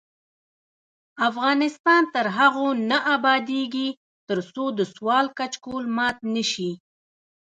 افغانستان تر هغو نه ابادیږي، ترڅو د سوال کچکول مات نشي.